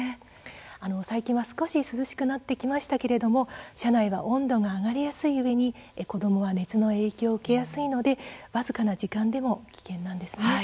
最近、少し涼しくなってきましたけれども車内は温度が上がりやすいうえに子どもは熱の影響を受けやすいので僅かな時間でも危険です。